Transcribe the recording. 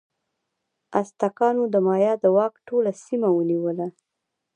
ازتکانو د مایا د واک ټوله سیمه ونیوله.